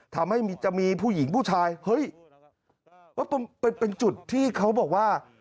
ทำให้จะมีผู้หญิงผู้ชายเฮ้ยเป็นจุดที่เขาบอกว่า